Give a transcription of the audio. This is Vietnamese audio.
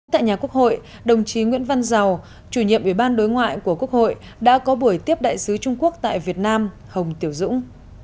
tại nhà quốc hội đồng chí nguyễn văn giàu chủ nhiệm ủy ban đối ngoại của quốc hội đã có buổi tiếp đại sứ trung quốc tại việt nam hồng tiểu dũng